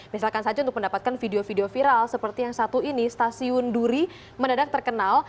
misalkan saja untuk mendapatkan video video viral seperti yang satu ini stasiun duri mendadak terkenal